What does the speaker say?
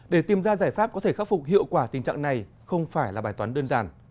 để tìm ra giải pháp có thể khắc phục hiệu quả tình trạng này không phải là bài toán đơn giản